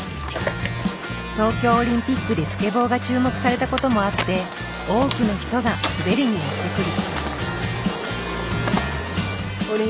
東京オリンピックでスケボーが注目されたこともあって多くの人が滑りにやって来る。